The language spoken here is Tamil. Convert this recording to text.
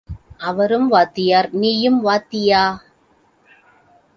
அவரும் வாத்தியார், நீயும் வாத்தியா?